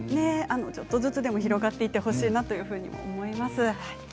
ちょっとずつでも広がっていってほしいなと思います。